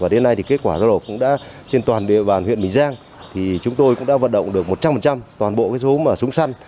đến nay thì kết quả giao nộp cũng đã trên toàn địa bàn huyện bình giang thì chúng tôi cũng đã vận động được một trăm linh toàn bộ số súng săn